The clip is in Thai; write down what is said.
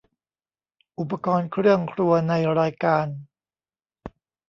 อุปกรณ์เครื่องครัวในรายการ